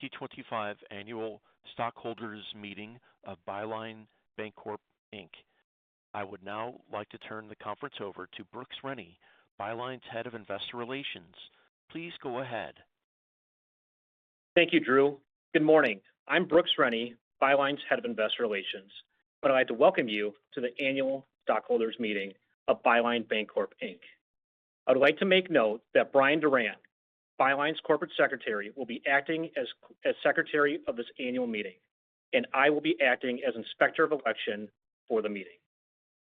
2025 Annual Stockholders' Meeting of Byline Bancorp. I would now like to turn the conference over to Brooks Rennie, Byline's Head of Investor Relations. Please go ahead. Thank you, Drew. Good morning. I'm Brooks Rennie, Byline's Head of Investor Relations, and I'd like to welcome you to the Annual Stockholders' Meeting of Byline Bancorp. I would like to make note that Brian Doran, Byline's Corporate Secretary, will be acting as Secretary of this Annual Meeting, and I will be acting as Inspector of Election for the meeting.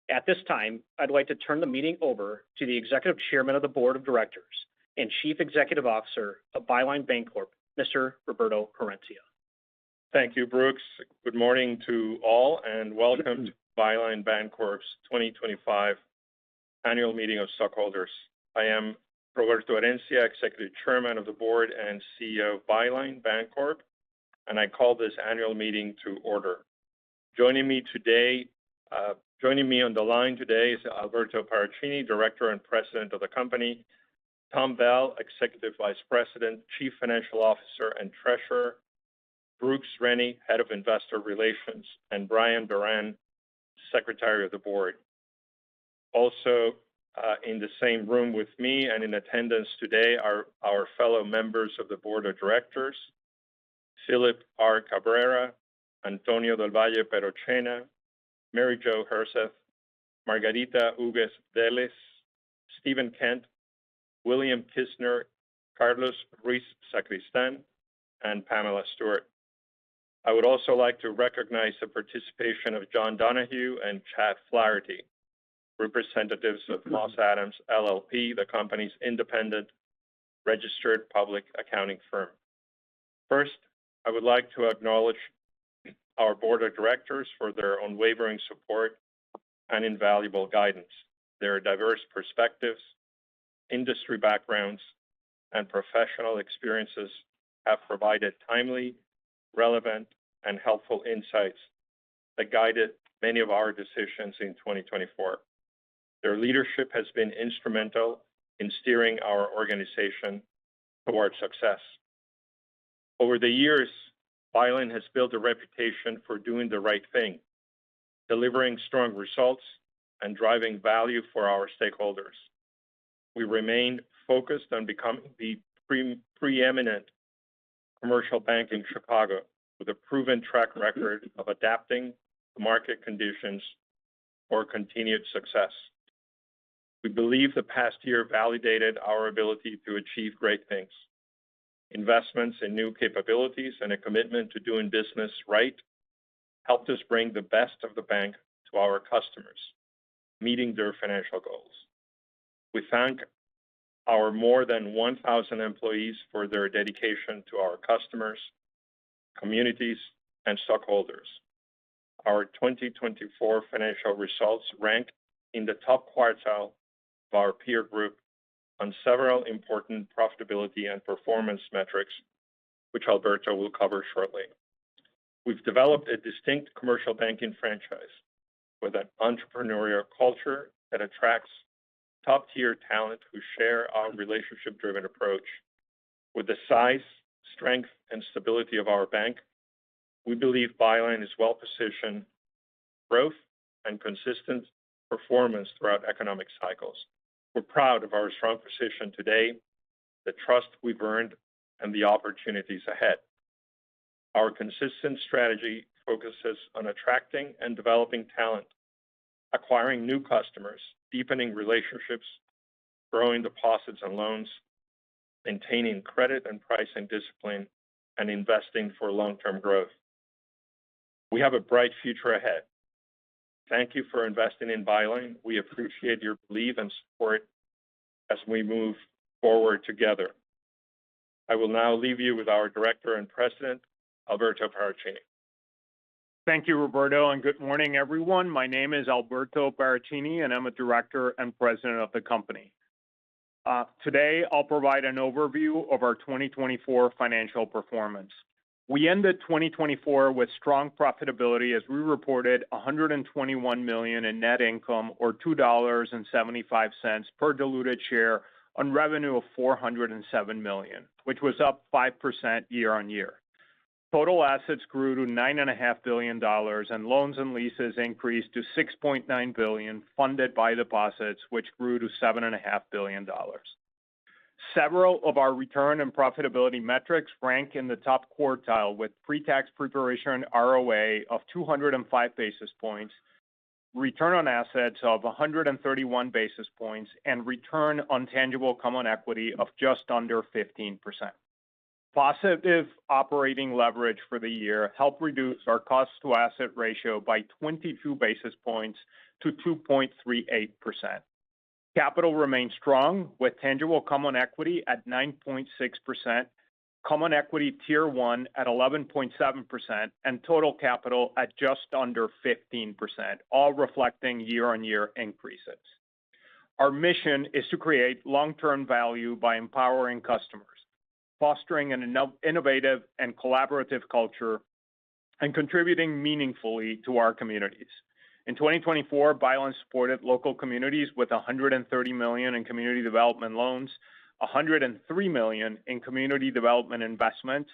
At this time, I'd like to turn the meeting over to the Executive Chairman of the Board of Directors and Chief Executive Officer of Byline Bancorp, Mr. Roberto Herencia. Thank you, Brooks. Good morning to all, and welcome to Byline Bancorp's 2025 Annual Meeting of Stockholders. I am Roberto Herencia, Executive Chairman of the Board and CEO of Byline Bancorp, and I call this Annual Meeting to order. Joining me today, joining me on the line today is Alberto Paracchini, Director and President of the company; Tom Bell, Executive Vice President, Chief Financial Officer and Treasurer; Brooks Rennie, Head of Investor Relations; and Brian Doran, Secretary of the Board. Also, in the same room with me and in attendance today are our fellow members of the Board of Directors: Philip R. Cabrera, Antonio del Valle Perotena, Mary Jo Herseth, Margarita Hugues Vélez, Stephen Kent, William Kissner, Carlos Ruiz-Sacristan, and Pamela Stewart. I would also like to recognize the participation of John Donohue and Chad Flaherty, representatives of Moss Adams, LLP, the company's independent registered public accounting firm. First, I would like to acknowledge our Board of Directors for their unwavering support and invaluable guidance. Their diverse perspectives, industry backgrounds, and professional experiences have provided timely, relevant, and helpful insights that guided many of our decisions in 2024. Their leadership has been instrumental in steering our organization toward success. Over the years, Byline has built a reputation for doing the right thing, delivering strong results, and driving value for our stakeholders. We remain focused on becoming the preeminent commercial bank in Chicago, with a proven track record of adapting to market conditions for continued success. We believe the past year validated our ability to achieve great things. Investments in new capabilities and a commitment to doing business right helped us bring the best of the bank to our customers, meeting their financial goals. We thank our more than 1,000 employees for their dedication to our customers, communities, and stockholders. Our 2024 financial results rank in the top quartile of our peer group on several important profitability and performance metrics, which Alberto will cover shortly. We have developed a distinct commercial banking franchise with an entrepreneurial culture that attracts top-tier talent who share our relationship-driven approach. With the size, strength, and stability of our bank, we believe Byline is well-positioned for growth and consistent performance throughout economic cycles. We are proud of our strong position today, the trust we have earned, and the opportunities ahead. Our consistent strategy focuses on attracting and developing talent, acquiring new customers, deepening relationships, growing deposits and loans, maintaining credit and pricing discipline, and investing for long-term growth. We have a bright future ahead. Thank you for investing in Byline. We appreciate your belief and support as we move forward together. I will now leave you with our Director and President, Alberto Paracchini. Thank you, Roberto, and good morning, everyone. My name is Alberto Paracchini, and I'm a Director and President of the company. Today, I'll provide an overview of our 2024 financial performance. We ended 2024 with strong profitability as we reported $121 million in net income, or $2.75 per diluted share, on revenue of $407 million, which was up 5% year-on-year. Total assets grew to $9.5 billion, and loans and leases increased to $6.9 billion, funded by deposits, which grew to $7.5 billion. Several of our return and profitability metrics rank in the top quartile, with pre-tax pre-provision ROA of 205 basis points, return on assets of 131 basis points, and return on tangible common equity of just under 15%. Positive operating leverage for the year helped reduce our cost-to-asset ratio by 22 basis points to 2.38%. Capital remained strong, with tangible common equity at 9.6%, common equity tier one at 11.7%, and total capital at just under 15%, all reflecting year-on-year increases. Our mission is to create long-term value by empowering customers, fostering an innovative and collaborative culture, and contributing meaningfully to our communities. In 2024, Byline supported local communities with $130 million in community development loans, $103 million in community development investments,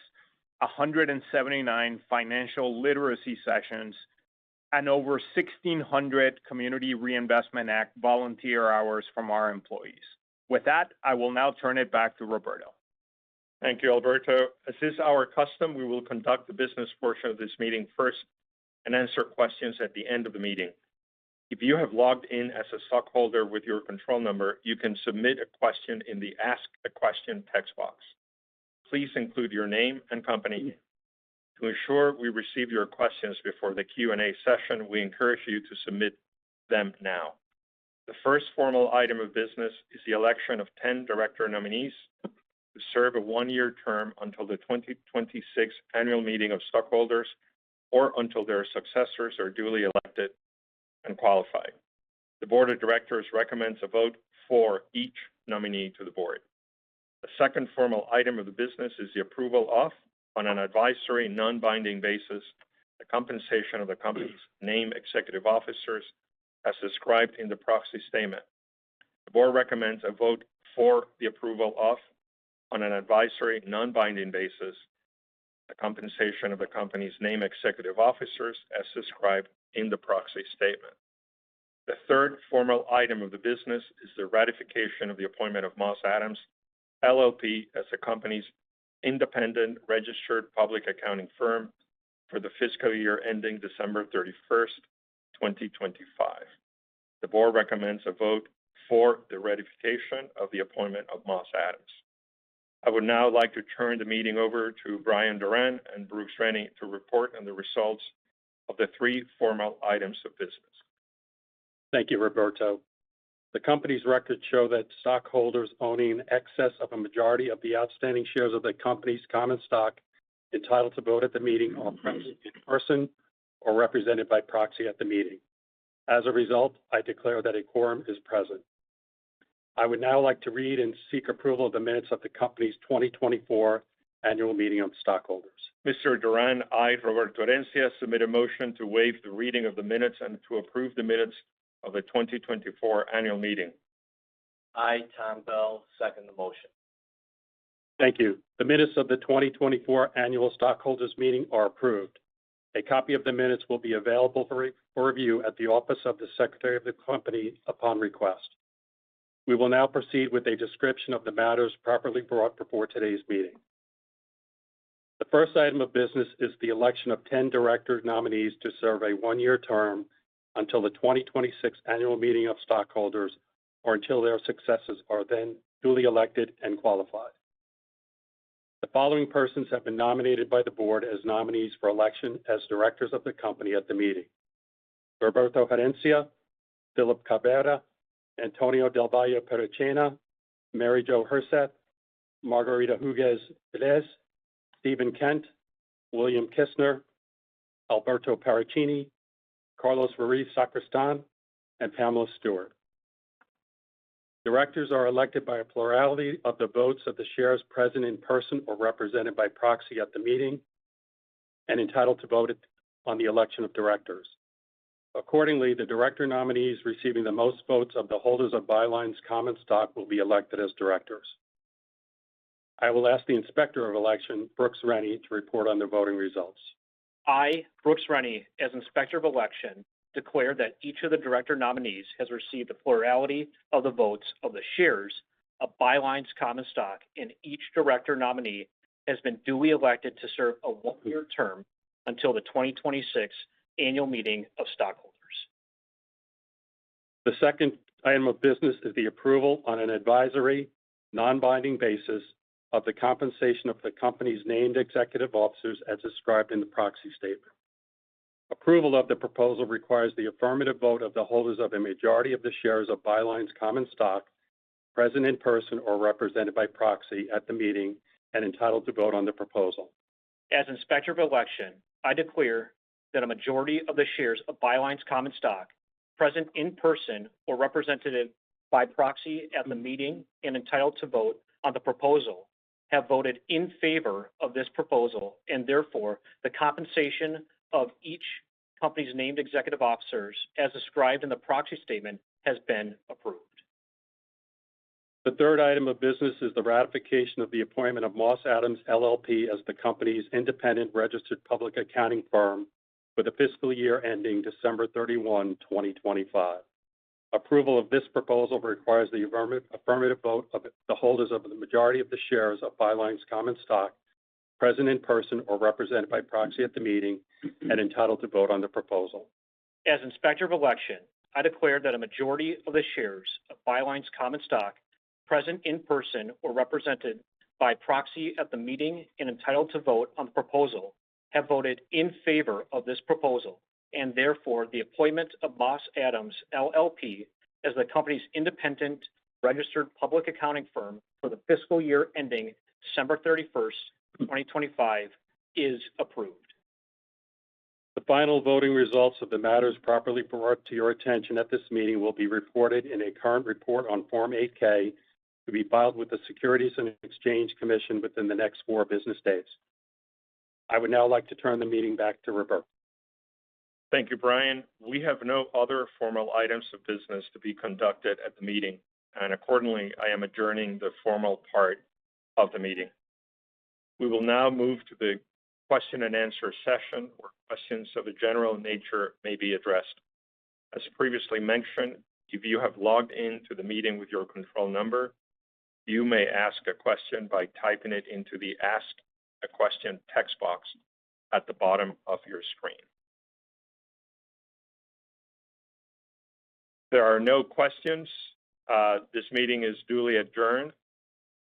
179 financial literacy sessions, and over 1,600 Community Reinvestment Act volunteer hours from our employees. With that, I will now turn it back to Roberto. Thank you, Alberto. As is our custom, we will conduct the business portion of this meeting first and answer questions at the end of the meeting. If you have logged in as a stockholder with your control number, you can submit a question in the Ask a Question text box. Please include your name and company. To ensure we receive your questions before the Q&A session, we encourage you to submit them now. The first formal item of business is the election of 10 Director Nominees who serve a one-year term until the 2026 Annual Meeting of Stockholders or until their successors are duly elected and qualified. The Board of Directors recommends a vote for each nominee to the board. The second formal item of the business is the approval of, on an advisory non-binding basis, the compensation of the company's named executive officers, as described in the proxy statement. The board recommends a vote for the approval of, on an advisory non-binding basis, the compensation of the company's named executive officers, as described in the proxy statement. The third formal item of the business is the ratification of the appointment of Moss Adams, LLP, as the company's independent registered public accounting firm for the fiscal year ending December 31, 2025. The board recommends a vote for the ratification of the appointment of Moss Adams. I would now like to turn the meeting over to Brian Doran and Brooks Rennie to report on the results of the three formal items of business. Thank you, Roberto. The company's records show that stockholders owning in excess of a majority of the outstanding shares of the company's common stock are entitled to vote at the meeting on proxy, in person, or represented by proxy at the meeting. As a result, I declare that a quorum is present. I would now like to read and seek approval of the minutes of the company's 2024 Annual Meeting of Stockholders. Mr. Doran, I, Roberto Herencia, submit a motion to waive the reading of the minutes and to approve the minutes of the 2024 Annual Meeting. I, Tom Bell, second the motion. Thank you. The minutes of the 2024 Annual Stockholders' Meeting are approved. A copy of the minutes will be available for review at the Office of the Secretary of the Company upon request. We will now proceed with a description of the matters properly brought before today's meeting. The first item of business is the election of 10 Director Nominees to serve a one-year term until the 2026 Annual Meeting of Stockholders or until their successors are then duly elected and qualified. The following persons have been nominated by the board as nominees for election as Directors of the Company at the meeting: Roberto Herencia, Philip Cabrera, Antonio del Valle Perotena, Mary Jo Herseth, Margarita Hugues Vélez, Stephen Kent, William Kissner, Alberto Paracchini, Carlos Ruiz-Sacristan, and Pamela Stewart. Directors are elected by a plurality of the votes of the shares present in person or represented by proxy at the meeting and entitled to vote on the election of directors. Accordingly, the Director Nominees receiving the most votes of the holders of Byline's common stock will be elected as directors. I will ask the Inspector of Election, Brooks Rennie, to report on the voting results. I, Brooks Rennie, as Inspector of Election, declare that each of the Director Nominees has received a plurality of the votes of the shares of Byline's common stock, and each Director Nominee has been duly elected to serve a one-year term until the 2026 Annual Meeting of Stockholders. The second item of business is the approval on an advisory non-binding basis of the compensation of the company's named executive officers, as described in the proxy statement. Approval of the proposal requires the affirmative vote of the holders of a majority of the shares of Byline's common stock present in person or represented by proxy at the meeting and entitled to vote on the proposal. As Inspector of Election, I declare that a majority of the shares of Byline's common stock present in person or represented by proxy at the meeting and entitled to vote on the proposal have voted in favor of this proposal, and therefore the compensation of each company's named executive officers, as described in the proxy statement, has been approved. The third item of business is the ratification of the appointment of Moss Adams, LLP, as the company's independent registered public accounting firm for the fiscal year ending December 31, 2025. Approval of this proposal requires the affirmative vote of the holders of the majority of the shares of Byline's common stock present in person or represented by proxy at the meeting and entitled to vote on the proposal. As Inspector of Election, I declare that a majority of the shares of Byline's common stock present in person or represented by proxy at the meeting and entitled to vote on the proposal have voted in favor of this proposal, and therefore the appointment of Moss Adams, LLP, as the company's independent registered public accounting firm for the fiscal year ending December 31, 2025, is approved. The final voting results of the matters properly brought to your attention at this meeting will be reported in a current report on Form 8-K to be filed with the Securities and Exchange Commission within the next four business days. I would now like to turn the meeting back to Roberto. Thank you, Brian. We have no other formal items of business to be conducted at the meeting, and accordingly, I am adjourning the formal part of the meeting. We will now move to the question-and-answer session where questions of a general nature may be addressed. As previously mentioned, if you have logged into the meeting with your control number, you may ask a question by typing it into the Ask a Question text box at the bottom of your screen. There are no questions. This meeting is duly adjourned.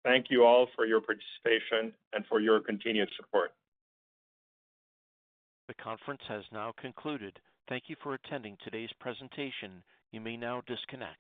Thank you all for your participation and for your continued support. The conference has now concluded. Thank you for attending today's presentation. You may now disconnect.